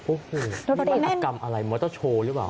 โอ้โฮนี่มันอักกรรมอะไรมันว่าต้องโชว์หรือเปล่า